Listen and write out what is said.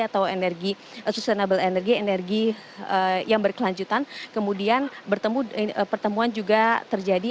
atau energi sustainable energi energi yang berkelanjutan kemudian pertemuan juga terjadi